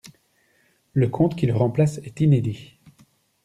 Le conte qui le remplace est inédit.